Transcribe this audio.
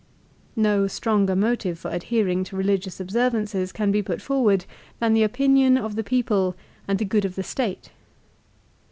l No stronger motive for adhering to religious observances can be put forward than the opinion of the people and the good of the State.